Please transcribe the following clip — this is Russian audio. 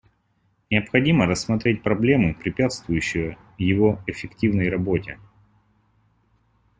Необходимо рассмотреть проблемы, препятствующие его эффективной работе.